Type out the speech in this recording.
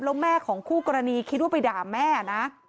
แล้วแม่ของคู่กรณีคิดว่าไปด่าแม่นะ